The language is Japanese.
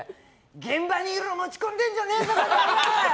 現場に色持ち込んでんじゃねえぞ！